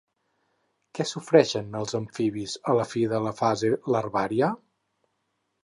Què sofreixen els amfibis a la fi de la fase larvària?